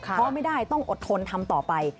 เพราะไม่ได้ต้องอดทนทำต่อไป